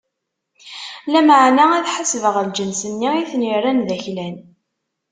Lameɛna, ad ḥasbeɣ lǧens-nni i ten-irran d aklan.